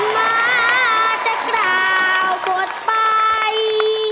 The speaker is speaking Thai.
มาจะกล่าวถูกไป